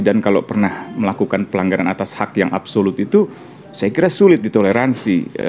dan kalau pernah melakukan pelanggaran atas hak yang absolut itu saya kira sulit ditoleransi